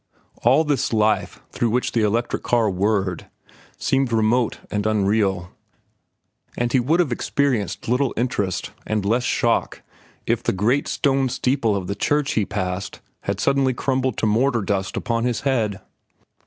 All this life through which the electric car whirred seemed remote and unreal, and he would have experienced little interest and less shock if the great stone steeple of the church he passed had suddenly crumbled to mortar dust upon his head.